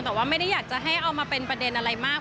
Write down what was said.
แต่ว่าไม่ได้อยากจะให้เอามาเป็นประเด็นอะไรมาก